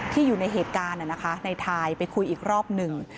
อยู่ในเหตุการณ์ในทายไปคุยอีกรอบหนึ่ง